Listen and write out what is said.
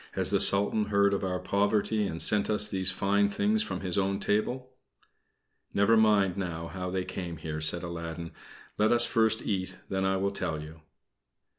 "Has the Sultan heard of our poverty and sent us these fine things from his own table?" "Never mind now how they came here," said Aladdin. "Let us first eat, then I will tell you."